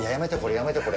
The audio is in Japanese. やめて、これ。